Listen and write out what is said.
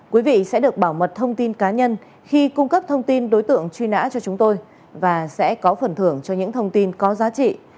quý vị sẽ được bảo mật thông tin cá nhân khi cung cấp thông tin đối tượng truy nã cho chúng tôi và sẽ có phần thưởng cho những thông tin có giá trị